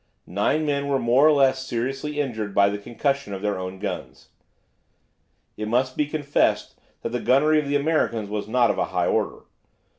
Nine men were more or less seriously injured by the concussion of their own guns. It must be confessed that the gunnery of the Americans was not of a high order.